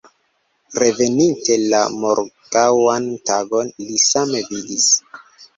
Reveninte la morgaŭan tagon li same vidis.